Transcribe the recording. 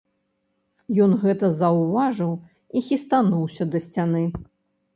Ён гэта заўважыў і хістануўся да сцяны.